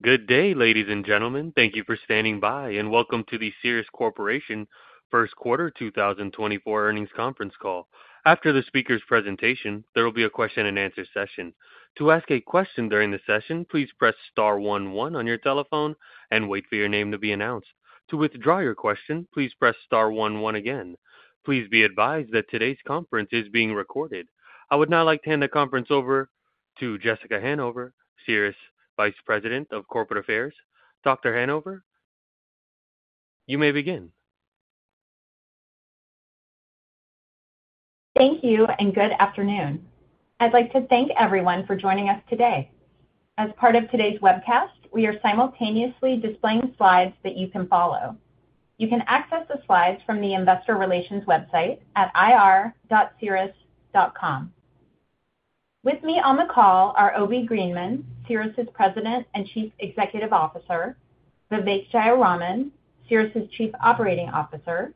Good day, ladies and gentlemen. Thank you for standing by, and welcome to the Cerus Corporation First Quarter 2024 Earnings Conference Call. After the speaker's presentation, there will be a question-and-answer session. To ask a question during the session, please press star one one on your telephone and wait for your name to be announced. To withdraw your question, please press star one one again. Please be advised that today's conference is being recorded. I would now like to hand the conference over to Jessica Hanover, Cerus Vice President of Corporate Affairs. Dr. Hanover, you may begin. Thank you, and good afternoon. I'd like to thank everyone for joining us today. As part of today's webcast, we are simultaneously displaying slides that you can follow. You can access the slides from the Investor Relations website at ir.cerus.com. With me on the call are Obi Greenman, Cerus's President and Chief Executive Officer; Vivek Jayaraman, Cerus's Chief Operating Officer;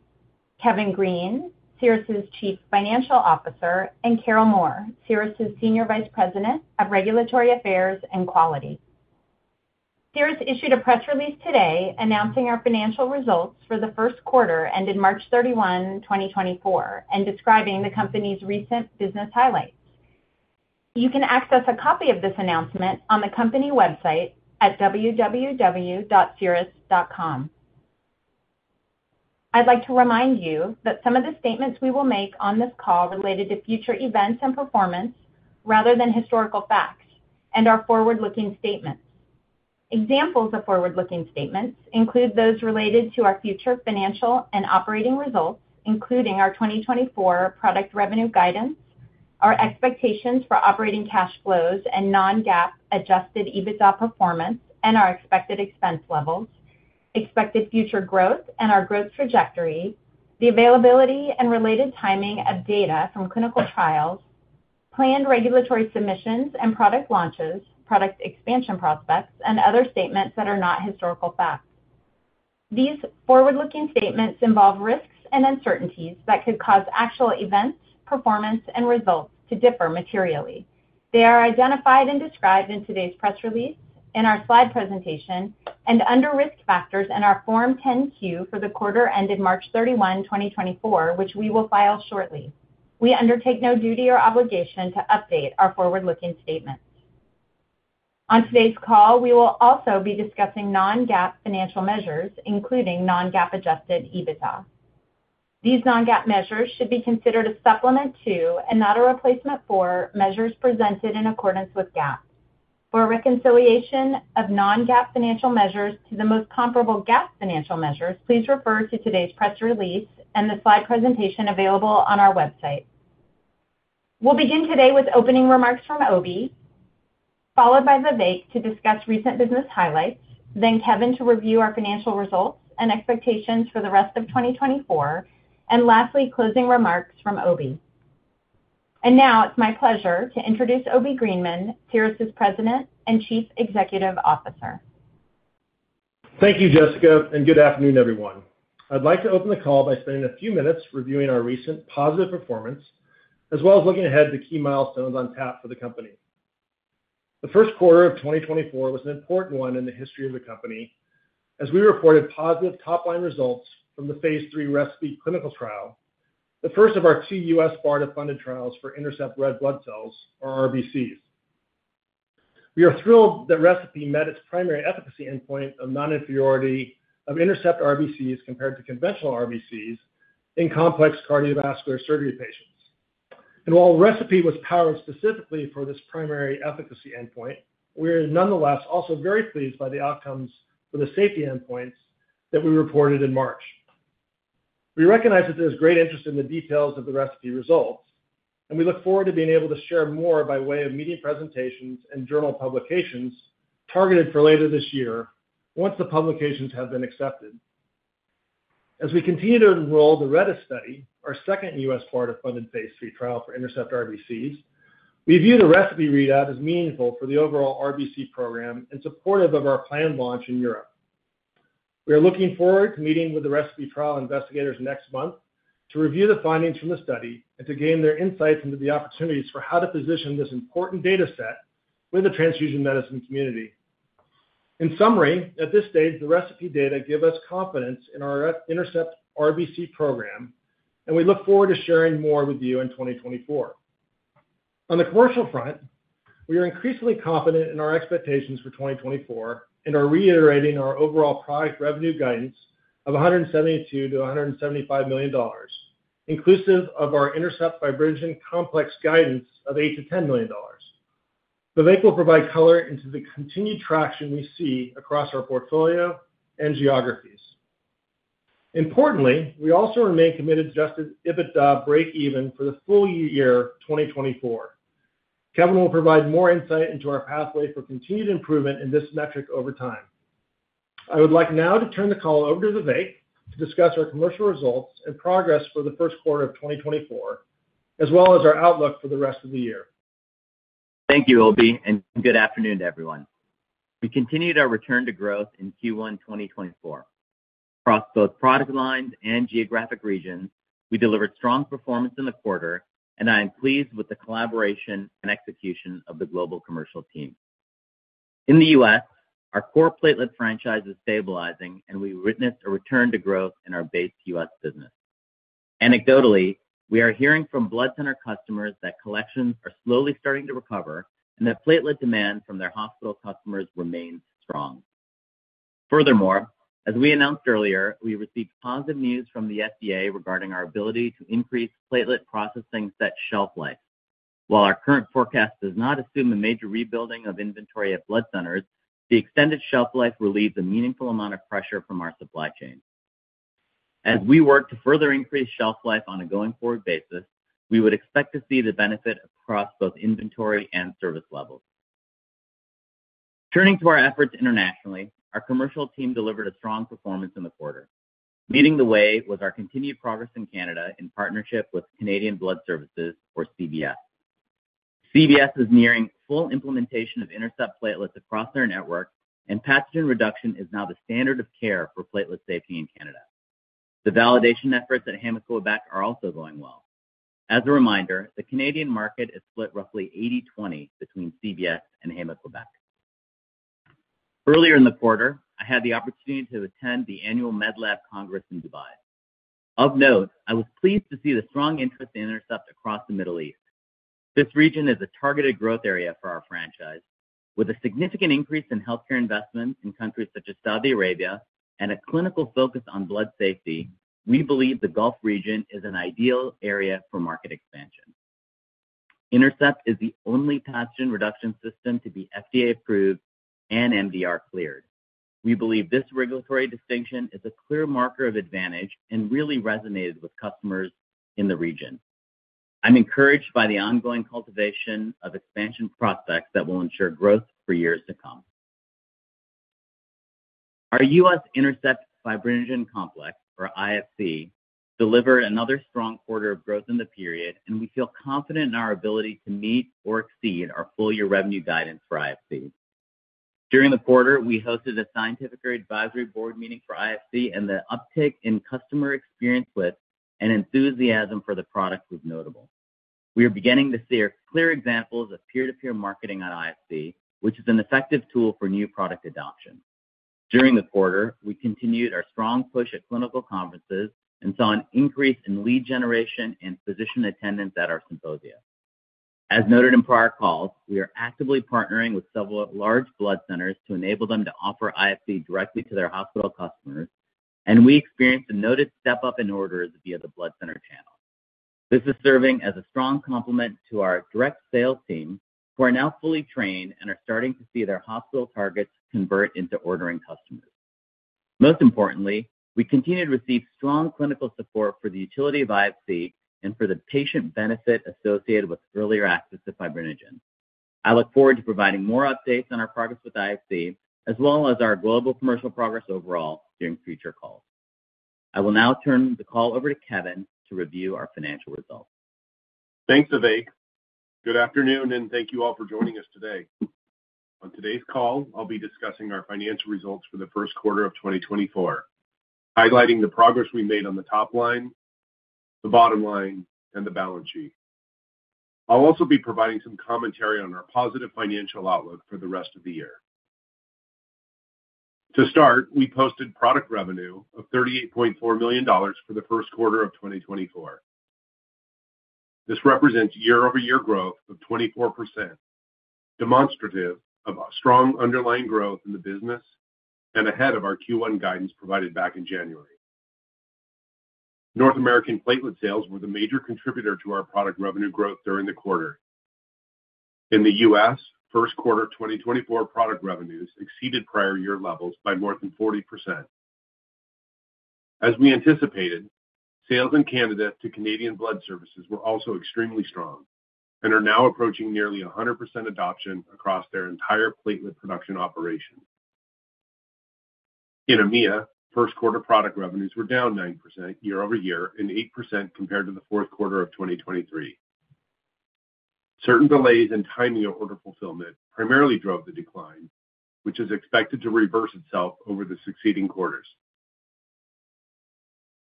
Kevin Green, Cerus's Chief Financial Officer; and Carol Moore, Cerus's Senior Vice President of Regulatory Affairs and Quality. Cerus issued a press release today announcing our financial results for the first quarter ended March 31, 2024, and describing the company's recent business highlights. You can access a copy of this announcement on the company website at www.cerus.com. I'd like to remind you that some of the statements we will make on this call relate to future events and performance rather than historical facts and are forward-looking statements. Examples of forward-looking statements include those related to our future financial and operating results, including our 2024 product revenue guidance, our expectations for operating cash flows and non-GAAP adjusted EBITDA performance, and our expected expense levels, expected future growth and our growth trajectory, the availability and related timing of data from clinical trials, planned regulatory submissions and product launches, product expansion prospects, and other statements that are not historical facts. These forward-looking statements involve risks and uncertainties that could cause actual events, performance, and results to differ materially. They are identified and described in today's press release, in our slide presentation, and under risk factors in our Form 10-Q for the quarter ended March 31, 2024, which we will file shortly. We undertake no duty or obligation to update our forward-looking statements. On today's call, we will also be discussing non-GAAP financial measures, including non-GAAP adjusted EBITDA. These non-GAAP measures should be considered a supplement to and not a replacement for measures presented in accordance with GAAP. For a reconciliation of non-GAAP financial measures to the most comparable GAAP financial measures, please refer to today's press release and the slide presentation available on our website. We'll begin today with opening remarks from Obi, followed by Vivek to discuss recent business highlights, then Kevin to review our financial results and expectations for the rest of 2024, and lastly, closing remarks from Obi. And now it's my pleasure to introduce Obi Greenman, Cerus's President and Chief Executive Officer. Thank you, Jessica, and good afternoon, everyone. I'd like to open the call by spending a few minutes reviewing our recent positive performance as well as looking ahead to key milestones on tap for the company. The first quarter of 2024 was an important one in the history of the company. As we reported positive top-line results from the phase III ReCePI clinical trial, the first of our two U.S. BARDA-funded trials for INTERCEPT red blood cells, or RBCs. We are thrilled that ReCePI met its primary efficacy endpoint of non-inferiority of INTERCEPT RBCs compared to conventional RBCs in complex cardiovascular surgery patients. While ReCePI was powered specifically for this primary efficacy endpoint, we are nonetheless also very pleased by the outcomes for the safety endpoints that we reported in March. We recognize that there is great interest in the details of the ReCePI results, and we look forward to being able to share more by way of meeting presentations and journal publications targeted for later this year once the publications have been accepted. As we continue to enroll the RedeS study, our second U.S. BARDA-funded phase III trial for INTERCEPT RBCs, we view the ReCePI readout as meaningful for the overall RBC program and supportive of our planned launch in Europe. We are looking forward to meeting with the ReCePI trial investigators next month to review the findings from the study and to gain their insights into the opportunities for how to position this important dataset with the transfusion medicine community. In summary, at this stage, the ReCePI data give us confidence in our INTERCEPT RBC program, and we look forward to sharing more with you in 2024. On the commercial front, we are increasingly confident in our expectations for 2024 and are reiterating our overall product revenue guidance of $172 million-$175 million, inclusive of our INTERCEPT Fibrinogen Complex guidance of $8 million-$10 million. Vivek will provide color into the continued traction we see across our portfolio and geographies. Importantly, we also remain committed to adjusted EBITDA break-even for the full year 2024. Kevin will provide more insight into our pathway for continued improvement in this metric over time. I would like now to turn the call over to Vivek to discuss our commercial results and progress for the first quarter of 2024, as well as our outlook for the rest of the year. Thank you, Obi, and good afternoon to everyone. We continued our return to growth in Q1 2024. Across both product lines and geographic regions, we delivered strong performance in the quarter, and I am pleased with the collaboration and execution of the global commercial team. In the U.S., our core platelet franchise is stabilizing, and we witnessed a return to growth in our base U.S. business. Anecdotally, we are hearing from blood center customers that collections are slowly starting to recover and that platelet demand from their hospital customers remains strong. Furthermore, as we announced earlier, we received positive news from the FDA regarding our ability to increase platelet processing set shelf life. While our current forecast does not assume a major rebuilding of inventory at blood centers, the extended shelf life relieves a meaningful amount of pressure from our supply chain. As we work to further increase shelf life on a going forward basis, we would expect to see the benefit across both inventory and service levels. Turning to our efforts internationally, our commercial team delivered a strong performance in the quarter. Leading the way was our continued progress in Canada in partnership with Canadian Blood Services, or CBS. CBS is nearing full implementation of INTERCEPT platelets across their network, and pathogen reduction is now the standard of care for platelet safety in Canada. The validation efforts at Héma-Québec are also going well. As a reminder, the Canadian market is split roughly 80/20 between CBS and Héma-Québec. Earlier in the quarter, I had the opportunity to attend the annual Medlab Congress in Dubai. Of note, I was pleased to see the strong interest in INTERCEPT across the Middle East. This region is a targeted growth area for our franchise. With a significant increase in healthcare investment in countries such as Saudi Arabia and a clinical focus on blood safety, we believe the Gulf region is an ideal area for market expansion. INTERCEPT is the only pathogen reduction system to be FDA-approved and MDR cleared. We believe this regulatory distinction is a clear marker of advantage and really resonated with customers in the region. I'm encouraged by the ongoing cultivation of expansion prospects that will ensure growth for years to come. Our U.S. INTERCEPT Fibrinogen Complex, or IFC, delivered another strong quarter of growth in the period, and we feel confident in our ability to meet or exceed our full-year revenue guidance for IFC. During the quarter, we hosted a scientific advisory board meeting for IFC, and the uptick in customer experience with and enthusiasm for the product was notable. We are beginning to see clear examples of peer-to-peer marketing on IFC, which is an effective tool for new product adoption. During the quarter, we continued our strong push at clinical conferences and saw an increase in lead generation and physician attendance at our symposia. As noted in prior calls, we are actively partnering with several large blood centers to enable them to offer IFC directly to their hospital customers, and we experienced a noted step-up in orders via the blood center channel. This is serving as a strong complement to our direct sales team, who are now fully trained and are starting to see their hospital targets convert into ordering customers. Most importantly, we continue to receive strong clinical support for the utility of IFC and for the patient benefit associated with earlier access to fibrinogen. I look forward to providing more updates on our progress with IFC, as well as our global commercial progress overall during future calls. I will now turn the call over to Kevin to review our financial results. Thanks, Vivek. Good afternoon, and thank you all for joining us today. On today's call, I'll be discussing our financial results for the first quarter of 2024, highlighting the progress we made on the top line, the bottom line, and the balance sheet. I'll also be providing some commentary on our positive financial outlook for the rest of the year. To start, we posted product revenue of $38.4 million for the first quarter of 2024. This represents year-over-year growth of 24%, demonstrative of strong underlying growth in the business and ahead of our Q1 guidance provided back in January. North American platelet sales were the major contributor to our product revenue growth during the quarter. In the U.S., first quarter 2024 product revenues exceeded prior year levels by more than 40%. As we anticipated, sales in Canada to Canadian Blood Services were also extremely strong and are now approaching nearly 100% adoption across their entire platelet production operation. In EMEA, first quarter product revenues were down 9% year-over-year and 8% compared to the fourth quarter of 2023. Certain delays in timing of order fulfillment primarily drove the decline, which is expected to reverse itself over the succeeding quarters.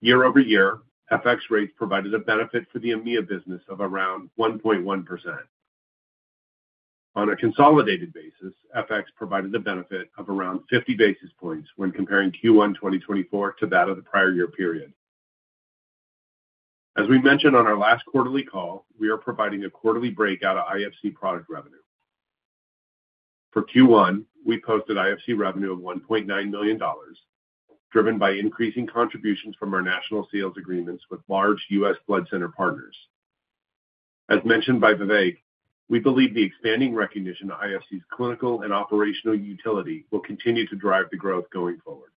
Year-over-year, FX rates provided a benefit for the EMEA business of around 1.1%. On a consolidated basis, FX provided a benefit of around 50 basis points when comparing Q1 2024 to that of the prior year period. As we mentioned on our last quarterly call, we are providing a quarterly breakout of IFC product revenue. For Q1, we posted IFC revenue of $1.9 million, driven by increasing contributions from our national sales agreements with large U.S. blood center partners. As mentioned by Vivek, we believe the expanding recognition of IFC's clinical and operational utility will continue to drive the growth going forward.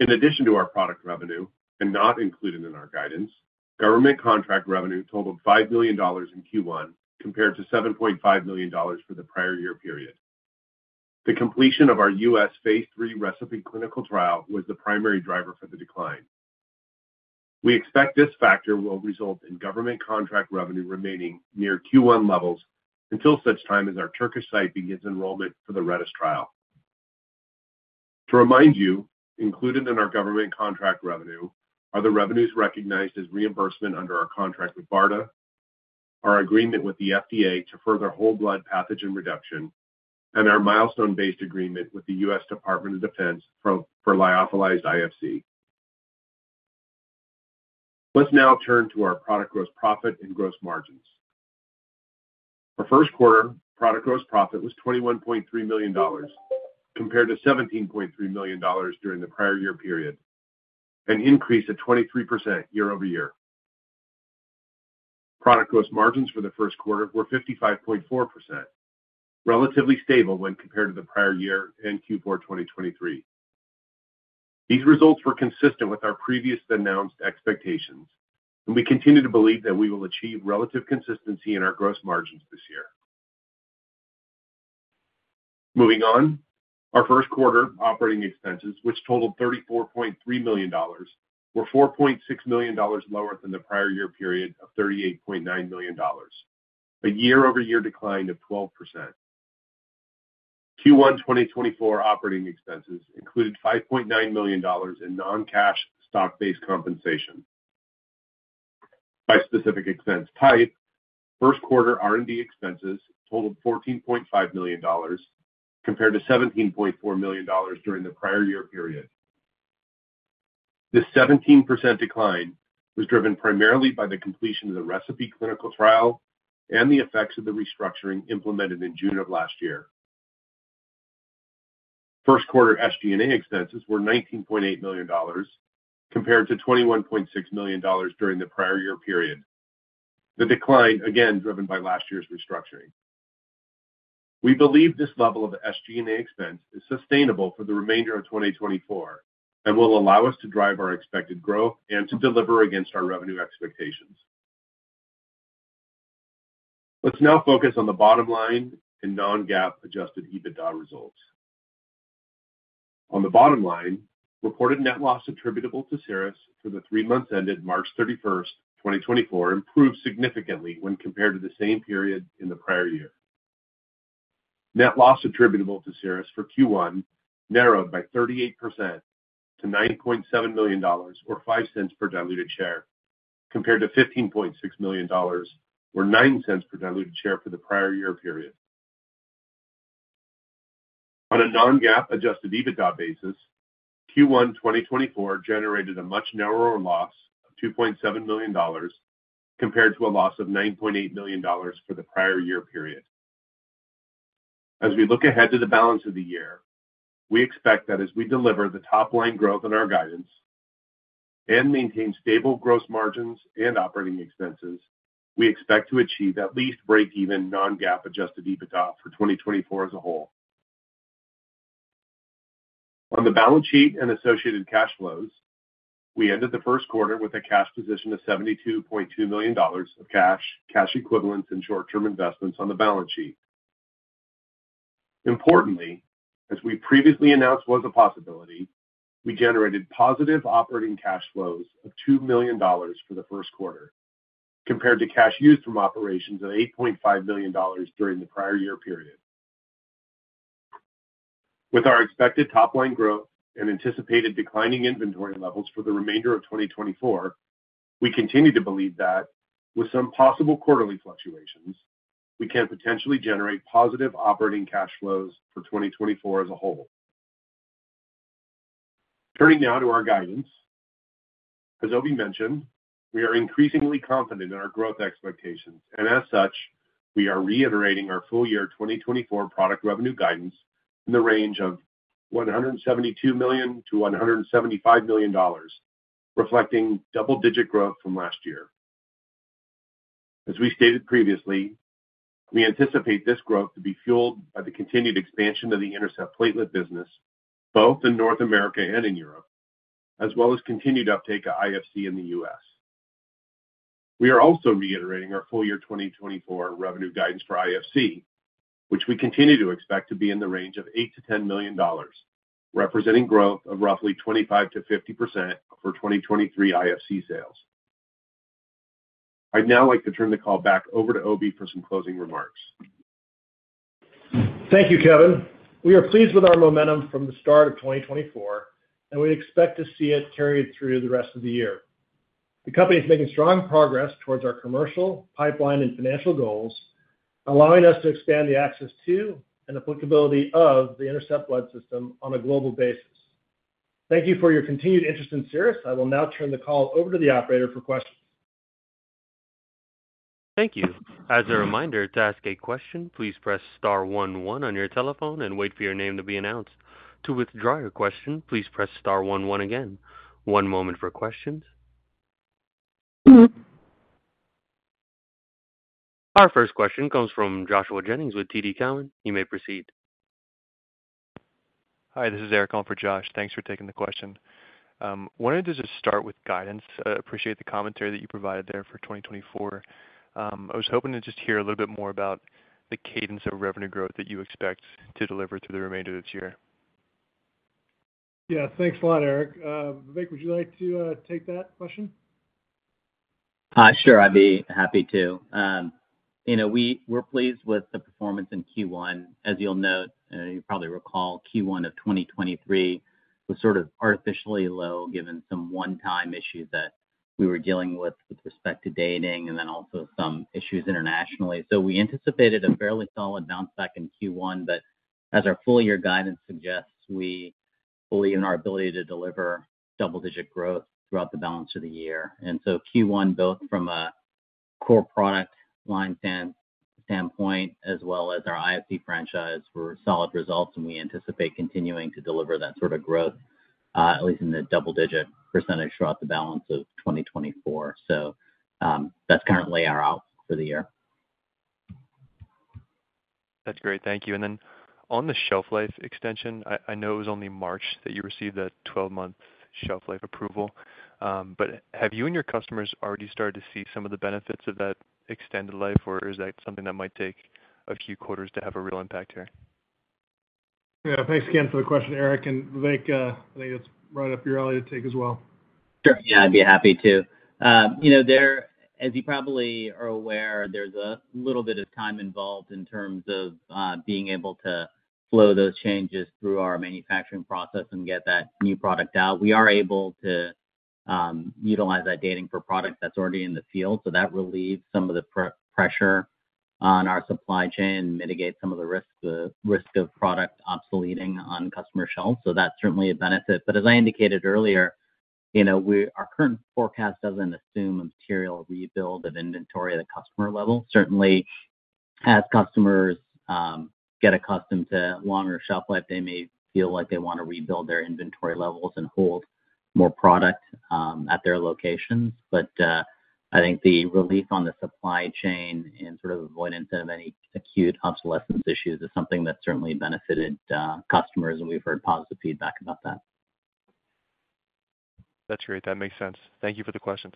In addition to our product revenue and not included in our guidance, government contract revenue totaled $5 million in Q1 compared to $7.5 million for the prior year period. The completion of our U.S. phase III ReCePI clinical trial was the primary driver for the decline. We expect this factor will result in government contract revenue remaining near Q1 levels until such time as our Turkish site begins enrollment for the RedeS trial. To remind you, included in our government contract revenue are the revenues recognized as reimbursement under our contract with BARDA, our agreement with the FDA to further whole blood pathogen reduction, and our milestone-based agreement with the U.S. Department of Defense for lyophilized IFC. Let's now turn to our product gross profit and gross margins. For first quarter, product gross profit was $21.3 million compared to $17.3 million during the prior year period, an increase of 23% year-over-year. Product gross margins for the first quarter were 55.4%, relatively stable when compared to the prior year and Q4 2023. These results were consistent with our previously announced expectations, and we continue to believe that we will achieve relative consistency in our gross margins this year. Moving on, our first quarter operating expenses, which totaled $34.3 million, were $4.6 million lower than the prior year period of $38.9 million, a year-over-year decline of 12%. Q1 2024 operating expenses included $5.9 million in non-cash stock-based compensation. By specific expense type, first quarter R&D expenses totaled $14.5 million compared to $17.4 million during the prior year period. This 17% decline was driven primarily by the completion of the ReCePI clinical trial and the effects of the restructuring implemented in June of last year. First quarter SG&A expenses were $19.8 million compared to $21.6 million during the prior year period, the decline again driven by last year's restructuring. We believe this level of SG&A expense is sustainable for the remainder of 2024 and will allow us to drive our expected growth and to deliver against our revenue expectations. Let's now focus on the bottom line and non-GAAP adjusted EBITDA results. On the bottom line, reported net loss attributable to Cerus for the three months ended March 31st, 2024, improved significantly when compared to the same period in the prior year. Net loss attributable to Cerus for Q1 narrowed by 38% to $9.7 million or $0.05 per diluted share compared to $15.6 million or $0.09 per diluted share for the prior year period. On a non-GAAP adjusted EBITDA basis, Q1 2024 generated a much narrower loss of $2.7 million compared to a loss of $9.8 million for the prior year period. As we look ahead to the balance of the year, we expect that as we deliver the top line growth in our guidance and maintain stable gross margins and operating expenses, we expect to achieve at least break-even non-GAAP adjusted EBITDA for 2024 as a whole. On the balance sheet and associated cash flows, we ended the first quarter with a cash position of $72.2 million of cash, cash equivalents, and short-term investments on the balance sheet. Importantly, as we previously announced was a possibility, we generated positive operating cash flows of $2 million for the first quarter compared to cash used from operations of $8.5 million during the prior year period. With our expected top line growth and anticipated declining inventory levels for the remainder of 2024, we continue to believe that, with some possible quarterly fluctuations, we can potentially generate positive operating cash flows for 2024 as a whole. Turning now to our guidance. As Obi mentioned, we are increasingly confident in our growth expectations, and as such, we are reiterating our full-year 2024 product revenue guidance in the range of $172 million-$175 million, reflecting double-digit growth from last year. As we stated previously, we anticipate this growth to be fueled by the continued expansion of the INTERCEPT platelet business, both in North America and in Europe, as well as continued uptake of IFC in the U.S. We are also reiterating our full-year 2024 revenue guidance for IFC, which we continue to expect to be in the range of $8 million-$10 million, representing growth of roughly 25%-50% for 2023 IFC sales. I'd now like to turn the call back over to Obi for some closing remarks. Thank you, Kevin. We are pleased with our momentum from the start of 2024, and we expect to see it carried through the rest of the year. The company is making strong progress towards our commercial, pipeline, and financial goals, allowing us to expand the access to and applicability of the INTERCEPT Blood System on a global basis. Thank you for your continued interest in Cerus. I will now turn the call over to the Operator for questions. Thank you. As a reminder, to ask a question, please press star one one on your telephone and wait for your name to be announced. To withdraw your question, please press star one one again. One moment for questions. Mm-hmm. Our first question comes from Joshua Jennings with TD Cowen. You may proceed. Hi, this is Eric calling for Josh. Thanks for taking the question. Wanted to just start with guidance. Appreciate the commentary that you provided there for 2024. I was hoping to just hear a little bit more about the cadence of revenue growth that you expect to deliver through the remainder of this year. Yeah, thanks a lot, Eric. Vivek, would you like to take that question? Sure. I'd be happy to. You know, we're pleased with the performance in Q1. As you'll note, you probably recall, Q1 of 2023 was sort of artificially low given some one-time issues that we were dealing with with respect to dating and then also some issues internationally. So we anticipated a fairly solid bounce back in Q1, but as our full-year guidance suggests, we believe in our ability to deliver double-digit growth throughout the balance of the year. And so Q1, both from a core product line standpoint as well as our IFC franchise, were solid results, and we anticipate continuing to deliver that sort of growth, at least in the double-digit percentage throughout the balance of 2024. So, that's currently our outlook for the year. That's great. Thank you. And then on the shelf life extension, I know it was only March that you received the 12-month shelf life approval. But have you and your customers already started to see some of the benefits of that extended life, or is that something that might take a few quarters to have a real impact here? Yeah, thanks again for the question, Eric. Vivek, I think that's right up your alley to take as well. Sure. Yeah, I'd be happy to. You know, there, as you probably are aware, there's a little bit of time involved in terms of being able to flow those changes through our manufacturing process and get that new product out. We are able to utilize that dating for product that's already in the field, so that relieves some of the pressure on our supply chain and mitigates some of the risks, the risk of product obsoleting on customer shelves. So that's certainly a benefit. But as I indicated earlier, you know, our current forecast doesn't assume a material rebuild of inventory at a customer level. Certainly, as customers get accustomed to longer shelf life, they may feel like they want to rebuild their inventory levels and hold more product at their locations. I think the relief on the supply chain and sort of avoidance of any acute obsolescence issues is something that's certainly benefited customers, and we've heard positive feedback about that. That's great. That makes sense. Thank you for the questions.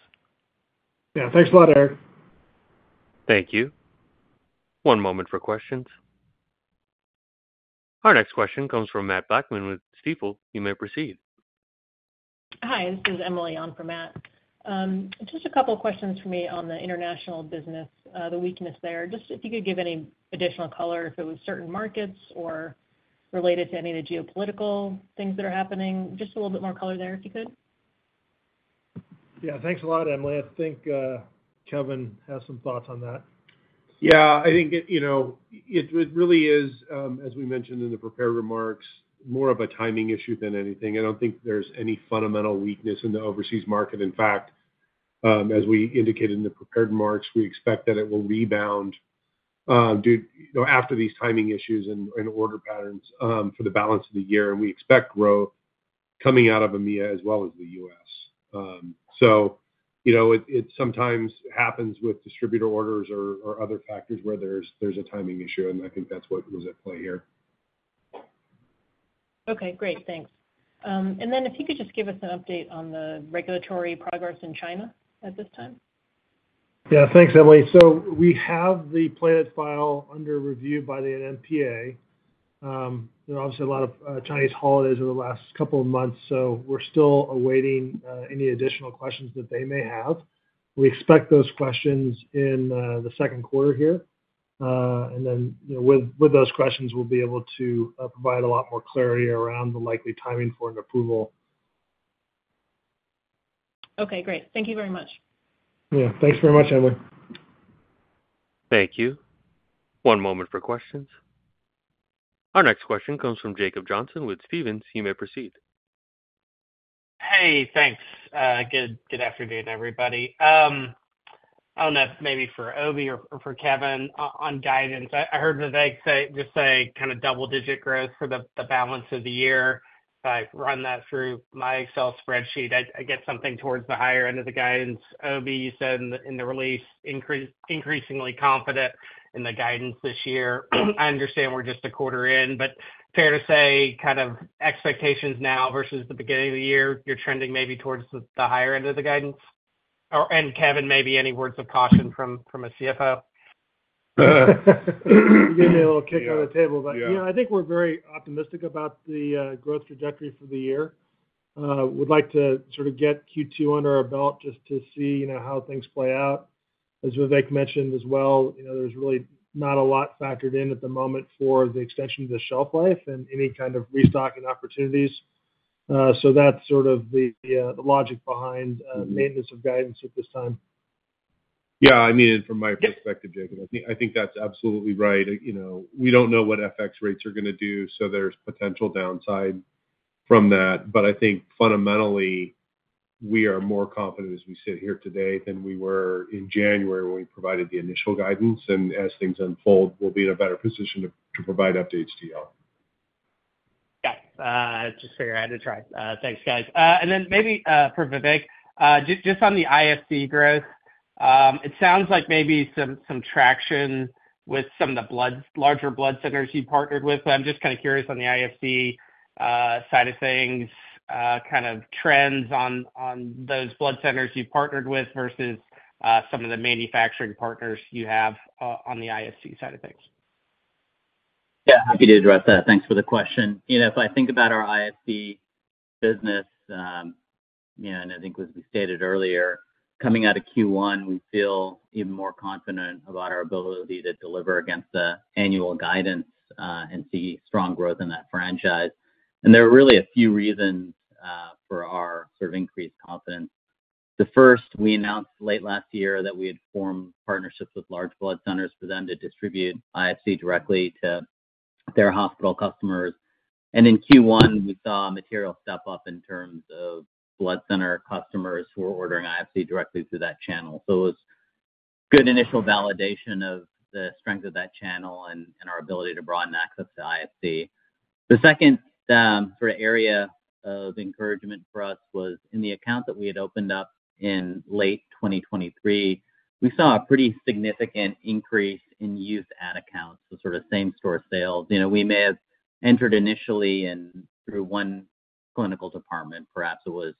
Yeah, thanks a lot, Eric. Thank you. One moment for questions. Our next question comes from Matt Blackman with Stifel. You may proceed. Hi, this is Emily on for Matt. Just a couple of questions for me on the international business, the weakness there. Just if you could give any additional color, if it was certain markets or related to any of the geopolitical things that are happening. Just a little bit more color there if you could. Yeah, thanks a lot, Emily. I think, Kevin has some thoughts on that. Yeah, I think, you know, it really is, as we mentioned in the prepared remarks, more of a timing issue than anything. I don't think there's any fundamental weakness in the overseas market. In fact, as we indicated in the prepared remarks, we expect that it will rebound, due, you know, after these timing issues and order patterns, for the balance of the year. And we expect growth coming out of EMEA as well as the U.S. so, you know, it sometimes happens with distributor orders or other factors where there's a timing issue, and I think that's what was at play here. Okay, great. Thanks. And then if you could just give us an update on the regulatory progress in China at this time. Yeah, thanks, Emily. So we have the planned file under review by the NMPA. You know, obviously, a lot of Chinese holidays over the last couple of months, so we're still awaiting any additional questions that they may have. We expect those questions in the second quarter here. And then, you know, with those questions, we'll be able to provide a lot more clarity around the likely timing for an approval. Okay, great. Thank you very much. Yeah, thanks very much, Emily. Thank you. One moment for questions. Our next question comes from Jacob Johnson with Stephens. You may proceed. Hey, thanks. Good afternoon, everybody. I don't know if maybe for Obi or, or for Kevin on guidance. I heard Vivek say just kind of double-digit growth for the balance of the year. If I run that through my Excel spreadsheet, I get something towards the higher end of the guidance. Obi, you said in the release increasingly confident in the guidance this year. I understand we're just a quarter in, but fair to say kind of expectations now versus the beginning of the year, you're trending maybe towards the higher end of the guidance? And Kevin, maybe any words of caution from a CFO? Give me a little kick on the table, but, you know, I think we're very optimistic about the growth trajectory for the year. Would like to sort of get Q2 under our belt just to see, you know, how things play out. As Vivek mentioned as well, you know, there's really not a lot factored in at the moment for the extension of the shelf life and any kind of restocking opportunities. So that's sort of the logic behind maintenance of guidance at this time. Yeah, I mean, and from my perspective, Jacob, I think I think that's absolutely right. You know, we don't know what FX rates are going to do, so there's potential downside from that. But I think fundamentally, we are more confident as we sit here today than we were in January when we provided the initial guidance. And as things unfold, we'll be in a better position to, to provide updates to y'all. Got it. Just figured I had to try. Thanks, guys. And then maybe, for Vivek, just on the IFC growth, it sounds like maybe some, some traction with some of the blood larger blood centers you partnered with. But I'm just kind of curious on the IFC side of things, kind of trends on, on those blood centers you partnered with versus some of the manufacturing partners you have, on the IFC side of things. Yeah, happy to address that. Thanks for the question. You know, if I think about our IFC business, you know, and I think, as we stated earlier, coming out of Q1, we feel even more confident about our ability to deliver against the annual guidance, and see strong growth in that franchise. There are really a few reasons for our sort of increased confidence. The first, we announced late last year that we had formed partnerships with large blood centers for them to distribute IFC directly to their hospital customers. In Q1, we saw a material step up in terms of blood center customers who were ordering IFC directly through that channel. So it was good initial validation of the strength of that channel and our ability to broaden access to IFC. The second, sort of area of encouragement for us was in the account that we had opened up in late 2023. We saw a pretty significant increase in use-at accounts, the sort of same-store sales. You know, we may have entered initially in through one clinical department. Perhaps it was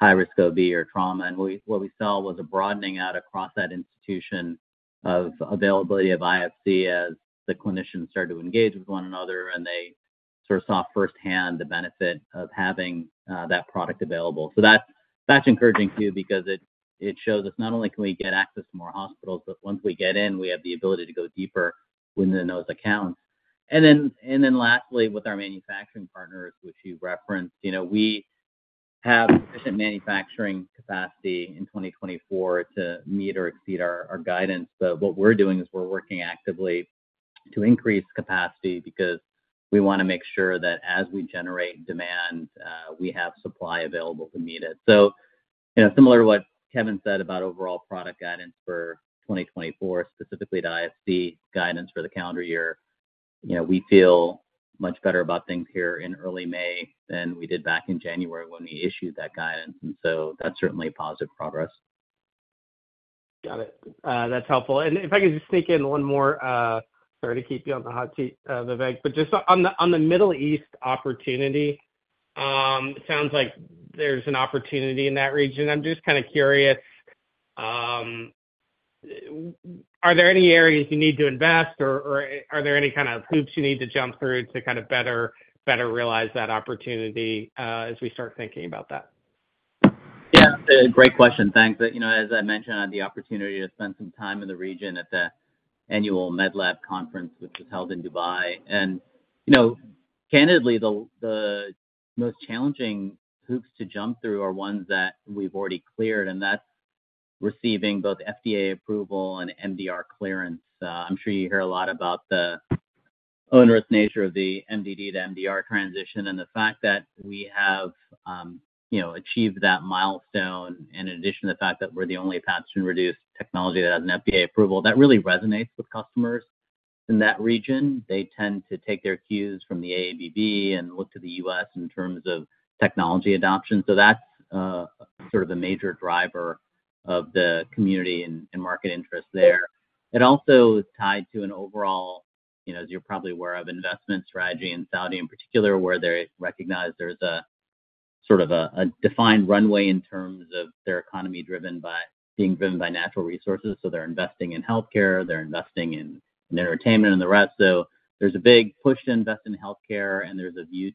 high-risk OB or trauma. And what we saw was a broadening out across that institution of availability of IFC as the clinicians started to engage with one another, and they sort of saw firsthand the benefit of having that product available. So that's encouraging too because it shows us not only can we get access to more hospitals, but once we get in, we have the ability to go deeper within those accounts. And then lastly, with our manufacturing partners, which you referenced, you know, we have sufficient manufacturing capacity in 2024 to meet or exceed our, our guidance. But what we're doing is we're working actively to increase capacity because we want to make sure that as we generate demand, we have supply available to meet it. So, you know, similar to what Kevin said about overall product guidance for 2024, specifically to IFC guidance for the calendar year, you know, we feel much better about things here in early May than we did back in January when we issued that guidance. And so that's certainly positive progress. Got it. That's helpful. If I could just sneak in one more, sorry, to keep you on the hot seat, Vivek, but just on the Middle East opportunity, it sounds like there's an opportunity in that region. I'm just kind of curious, are there any areas you need to invest, or are there any kind of hoops you need to jump through to kind of better realize that opportunity, as we start thinking about that? Yeah, great question. Thanks. You know, as I mentioned, I had the opportunity to spend some time in the region at the annual MedLab conference, which was held in Dubai. You know, candidly, the most challenging hoops to jump through are ones that we've already cleared, and that's receiving both FDA approval and MDR clearance. I'm sure you hear a lot about the onerous nature of the MDD to MDR transition and the fact that we have, you know, achieved that milestone. In addition to the fact that we're the only pathogen-reduced technology that has an FDA approval, that really resonates with customers in that region. They tend to take their cues from the AABB and look to the U.S. in terms of technology adoption. So that's, sort of a major driver of the community and market interest there. It also is tied to an overall, you know, as you're probably aware, of investment strategy in Saudi in particular, where they recognize there's a sort of a defined runway in terms of their economy driven by being driven by natural resources. So they're investing in healthcare. They're investing in entertainment and the rest. So there's a big push to invest in healthcare, and there's a view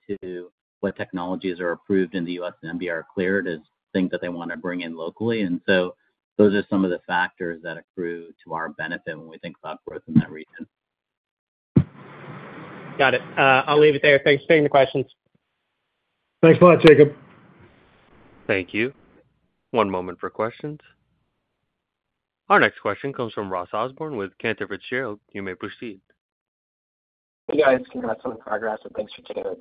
to what technologies are approved in the U.S. and MDR cleared as things that they want to bring in locally. And so those are some of the factors that accrue to our benefit when we think about growth in that region. Got it. I'll leave it there. Thanks for taking the questions. Thanks a lot, Jacob. Thank you. One moment for questions. Our next question comes from Ross Osborn with Cantor Fitzgerald. You may proceed. Hey, guys. Congrats on the progress, and thanks for taking the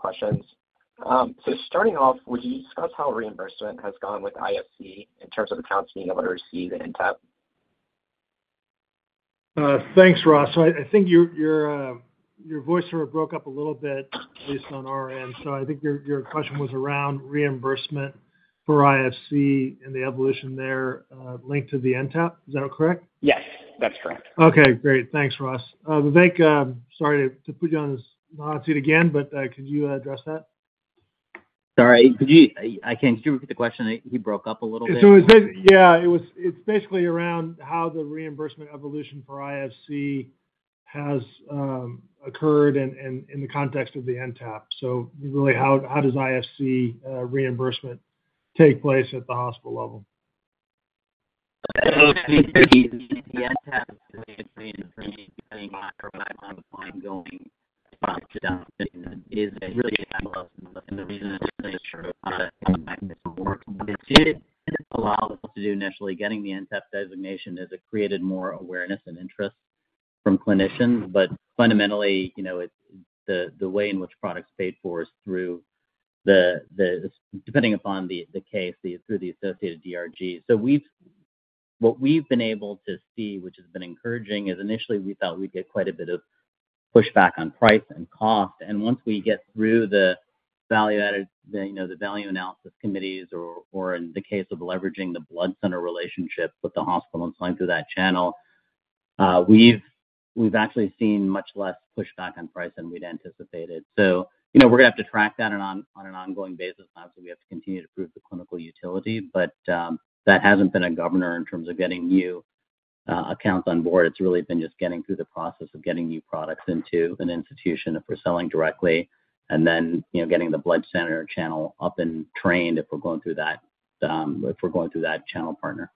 questions. So starting off, would you discuss how reimbursement has gone with IFC in terms of accounts being able to receive the NTAP? Thanks, Ross. So I think your voice sort of broke up a little bit, at least on our end. So I think your question was around reimbursement for IFC and the evolution there, linked to the NTAP. Is that correct? Yes, that's correct. Okay, great. Thanks, Ross. Vivek, sorry to put you on this hot seat again, but could you address that? Sorry, could you repeat the question? He broke up a little bit. So it's basically around how the reimbursement evolution for IFC has occurred in the context of the NTAP. So really, how does IFC reimbursement take place at the hospital level? Okay. So the NTAP is really a training for me to train my or what I want my client going. Response to down payment is really a catalyst. And the reason I say that is true is kind of coming back to What it did allow us to do initially getting the NTAP designation is it created more awareness and interest from clinicians. But fundamentally, you know, it's the way in which products paid for is through the depending upon the case, through the associated DRG. So what we've been able to see, which has been encouraging, is initially, we thought we'd get quite a bit of pushback on price and cost. Once we get through the value-added, you know, the value analysis committees or in the case of leveraging the blood center relationship with the hospital and sliding through that channel, we've actually seen much less pushback on price than we'd anticipated. So, you know, we're going to have to track that on an ongoing basis now. So we have to continue to prove the clinical utility. But that hasn't been a governor in terms of getting new accounts on board. It's really been just getting through the process of getting new products into an institution if we're selling directly and then, you know, getting the blood center channel up and trained if we're going through that channel partner.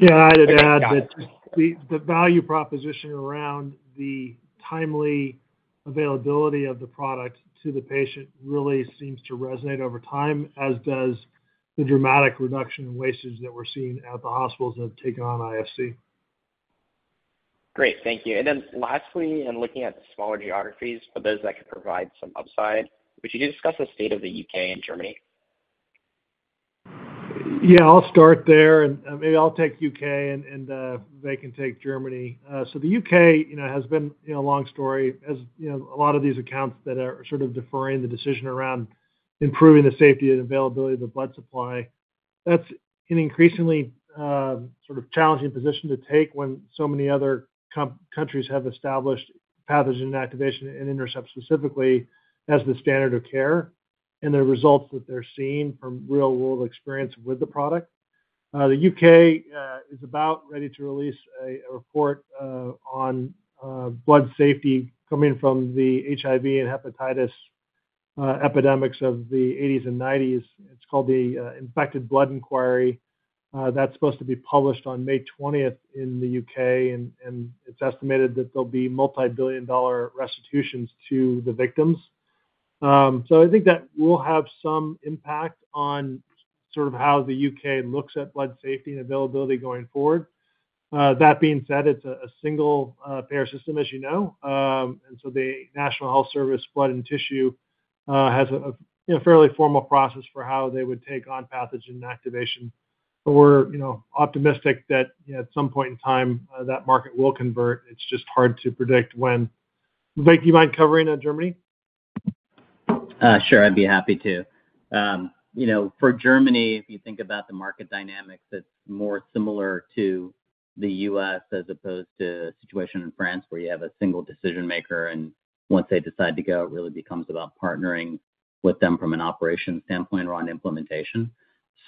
Yeah, I'd add that the value proposition around the timely availability of the product to the patient really seems to resonate over time, as does the dramatic reduction in wastage that we're seeing at the hospitals that have taken on IFC. Great. Thank you. And then lastly, and looking at smaller geographies for those that could provide some upside, would you discuss the state of the U.K. and Germany? Yeah, I'll start there. Maybe I'll take U.K., and Vivek can take Germany. So the U.K., you know, has been, you know, a long story. As you know, a lot of these accounts that are sort of deferring the decision around improving the safety and availability of the blood supply, that's an increasingly, sort of challenging position to take when so many other countries have established pathogen inactivation and INTERCEPT specifically as the standard of care and the results that they're seeing from real-world experience with the product. The U.K. is about ready to release a report on blood safety coming from the HIV and hepatitis epidemics of the 1980s and 1990s. It's called the Infected Blood Inquiry. That's supposed to be published on May 20th in the U.K. And it's estimated that there'll be multi-billion-dollar restitutions to the victims. I think that will have some impact on sort of how the U.K. looks at blood safety and availability going forward. That being said, it's a single-payer system, as you know. And so the National Health Service Blood and Tissue has a you know, fairly formal process for how they would take on pathogen inactivation. But we're, you know, optimistic that, you know, at some point in time, that market will convert. It's just hard to predict when. Vivek, do you mind covering Germany? Sure. I'd be happy to. You know, for Germany, if you think about the market dynamics, it's more similar to the U.S. as opposed to a situation in France where you have a single decision maker. And once they decide to go, it really becomes about partnering with them from an operations standpoint around implementation.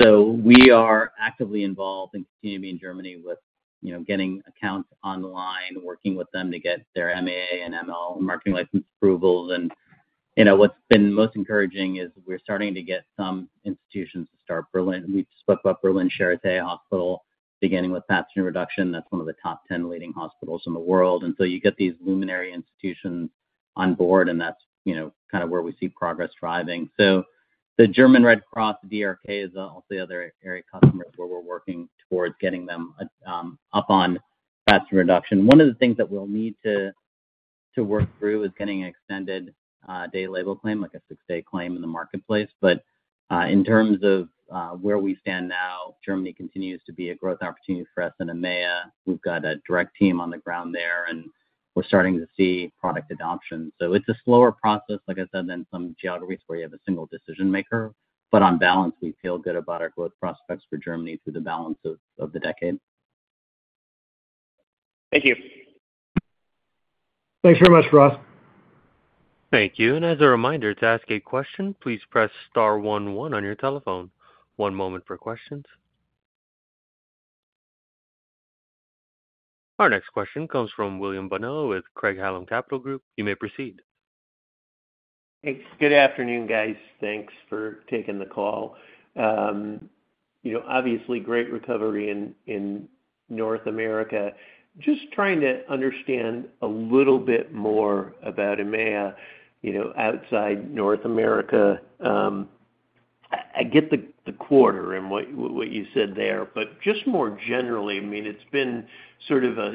So we are actively involved and continue to be in Germany with, you know, getting accounts online, working with them to get their MAA and ML marketing license approvals. And, you know, what's been most encouraging is we're starting to get some institutions to start in Berlin. We spoke about Berlin Charité Hospital beginning with pathogen reduction. That's one of the top 10 leading hospitals in the world. And so you get these luminary institutions on board, and that's, you know, kind of where we see progress driving. So the German Red Cross, the DRK, is also the other area customers where we're working towards getting them up on pathogen reduction. One of the things that we'll need to work through is getting an extended-day label claim, like a 6-day claim in the marketplace. But in terms of where we stand now, Germany continues to be a growth opportunity for us in EMEA. We've got a direct team on the ground there, and we're starting to see product adoption. So it's a slower process, like I said, than some geographies where you have a single decision maker. But on balance, we feel good about our growth prospects for Germany through the balance of the decade. Thank you. Thanks very much, Ross. Thank you. As a reminder, to ask a question, please press star one one on your telephone. One moment for questions. Our next question comes from William Bonello with Craig-Hallum Capital Group. You may proceed. Thanks. Good afternoon, guys. Thanks for taking the call. You know, obviously, great recovery in North America. Just trying to understand a little bit more about EMEA, you know, outside North America. I get the quarter and what you said there. But just more generally, I mean, it's been sort of a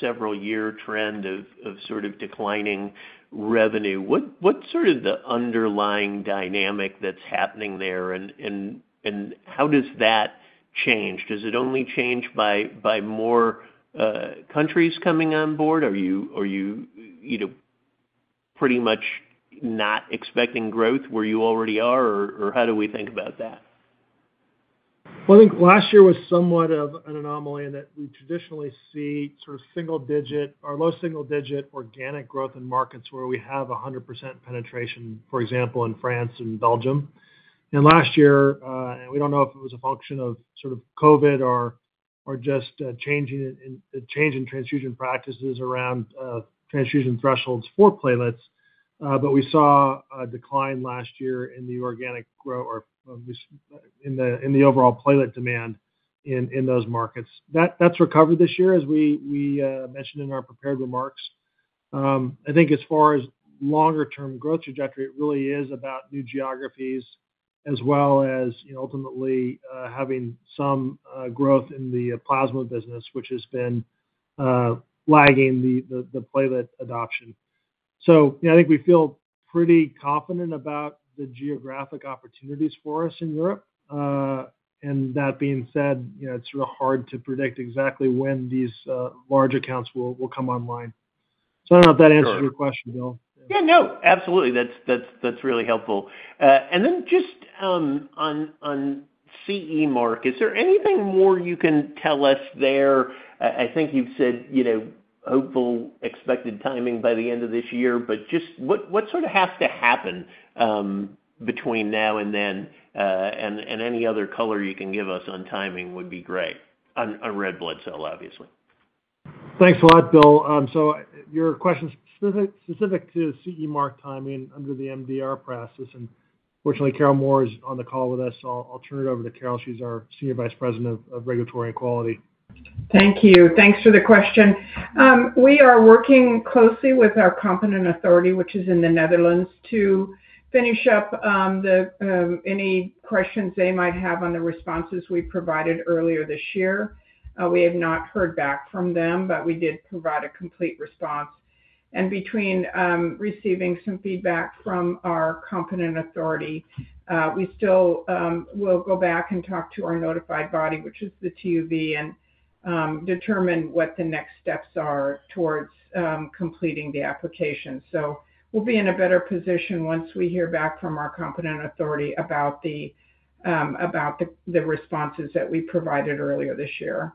several-year trend of sort of declining revenue. What's sort of the underlying dynamic that's happening there? And how does that change? Does it only change by more countries coming on board? Are you pretty much not expecting growth where you already are? Or how do we think about that? Well, I think last year was somewhat of an anomaly in that we traditionally see sort of single-digit or low-single-digit organic growth in markets where we have 100% penetration, for example, in France and Belgium. And last year, and we don't know if it was a function of sort of COVID or just changing in change in transfusion practices around transfusion thresholds for platelets. But we saw a decline last year in the organic growth or in the overall platelet demand in those markets. That's recovered this year as we mentioned in our prepared remarks. I think as far as longer-term growth trajectory, it really is about new geographies as well as, you know, ultimately having some growth in the plasma business, which has been lagging the platelet adoption. So, you know, I think we feel pretty confident about the geographic opportunities for us in Europe. And that being said, you know, it's sort of hard to predict exactly when these large accounts will come online. So I don't know if that answers your question, Bill. Yeah, no, absolutely. That's really helpful. And then just, on CE Mark, is there anything more you can tell us there? I think you've said, you know, hopeful, expected timing by the end of this year. But just what sort of has to happen, between now and then? And any other color you can give us on timing would be great, on red blood cell, obviously. Thanks a lot, Bill. So your question's specific to CE Mark timing under the MDR process. Fortunately, Carol Moore is on the call with us. So I'll turn it over to Carol. She's our Senior Vice President of Regulatory and Quality. Thank you. Thanks for the question. We are working closely with our competent authority, which is in the Netherlands, to finish up any questions they might have on the responses we provided earlier this year. We have not heard back from them, but we did provide a complete response. And between receiving some feedback from our competent authority, we still will go back and talk to our notified body, which is the TÜV, and determine what the next steps are towards completing the application. So we'll be in a better position once we hear back from our competent authority about the responses that we provided earlier this year.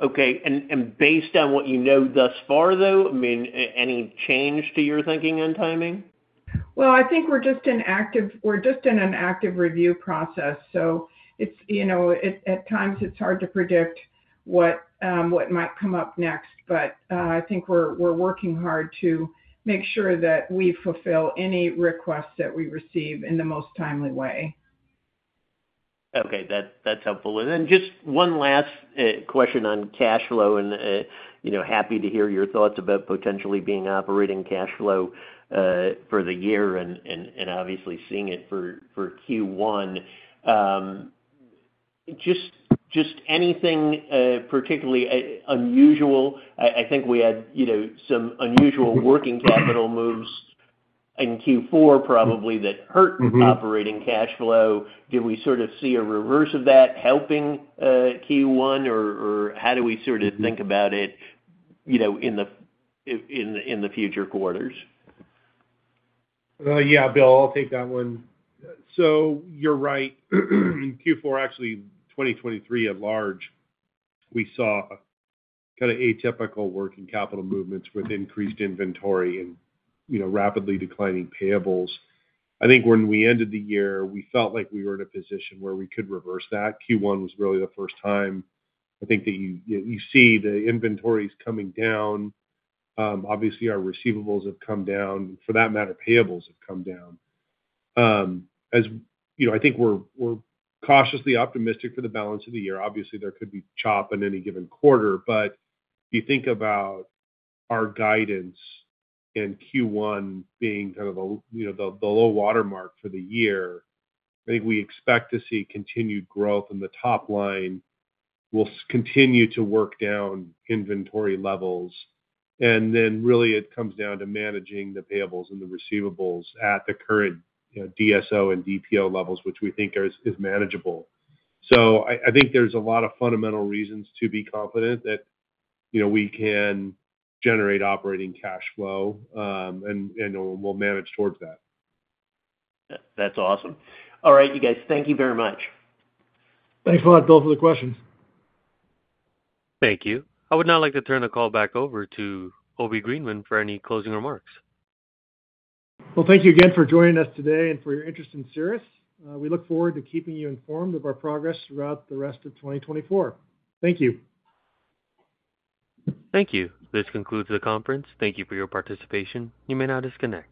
Okay. And based on what you know thus far, though, I mean, any change to your thinking on timing? Well, I think we're just in an active review process. So it's, you know, at times, it's hard to predict what might come up next. But, I think we're working hard to make sure that we fulfill any requests that we receive in the most timely way. Okay. That's helpful. And then just one last question on cash flow. And, you know, happy to hear your thoughts about potentially being operating cash flow for the year and obviously seeing it for Q1. Just anything particularly unusual? I think we had, you know, some unusual working capital moves in Q4 probably that hurt operating cash flow. Did we sort of see a reverse of that helping Q1? Or how do we sort of think about it, you know, in the future quarters? Yeah, Bill. I'll take that one. So you're right. In Q4, actually, 2023 at large, we saw kind of atypical working capital movements with increased inventory and, you know, rapidly declining payables. I think when we ended the year, we felt like we were in a position where we could reverse that. Q1 was really the first time, I think, that you see the inventories coming down. Obviously, our receivables have come down. For that matter, payables have come down. As you know, I think we're cautiously optimistic for the balance of the year. Obviously, there could be chop in any given quarter. But if you think about our guidance in Q1 being kind of a low, you know, the low watermark for the year, I think we expect to see continued growth in the top line. We'll continue to work down inventory levels. Then really, it comes down to managing the payables and the receivables at the current, you know, DSO and DPO levels, which we think is manageable. So I think there's a lot of fundamental reasons to be confident that, you know, we can generate operating cash flow, and we'll manage towards that. That's awesome. All right, you guys. Thank you very much. Thanks a lot, Bill, for the questions. Thank you. I would now like to turn the call back over to Obi Greenman for any closing remarks. Well, thank you again for joining us today and for your interest in Cerus. We look forward to keeping you informed of our progress throughout the rest of 2024. Thank you. Thank you. This concludes the conference. Thank you for your participation. You may now disconnect.